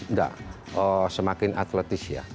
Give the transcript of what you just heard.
nggak semakin atletis ya